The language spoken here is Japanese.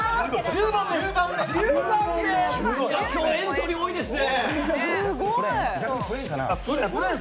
今日エントリー多いですね。